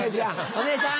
お姉ちゃん。